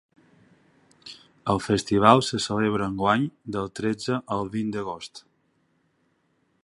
El festival se celebra enguany del tretze al vint d’agost.